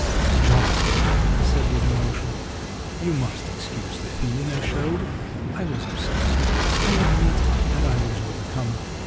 "John," he said with emotion, "you must excuse the feeling I showed. I was upset; I admit that I was overcome.